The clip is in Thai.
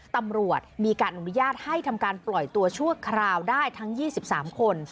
ตำรวจมีการอนุญาตให้ทำการปล่อยตัวชั่วคราวได้ทั้ง๒๓คน